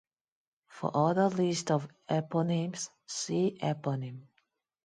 For other lists of eponyms, see eponym.